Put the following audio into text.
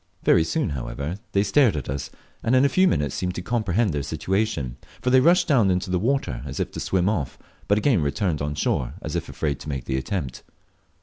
Very soon, however, they stared at us, and in a few minutes seemed to comprehend their situation; for they rushed down into the water, as if to swim off, but again returned on shore, as if afraid to make the attempt.